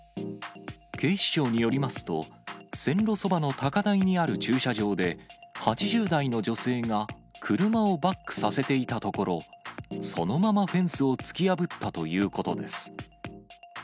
警視庁によりますと、線路そばの高台にある駐車場で、８０代の女性が車をバックさせていたところ、そのままフェンスを突き破ったということです。